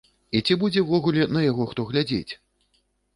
І ці будзе ўвогуле на яго хто глядзець?